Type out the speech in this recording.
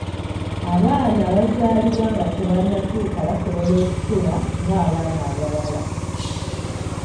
Abaana abazaalibwa nga tebannatuuka basobola okukula ng'abaana abalala .